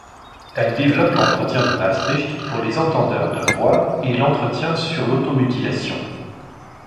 Elle développe l’entretien de Maastricht pour les entendeurs de voix et l’entretien sur l’automutilation.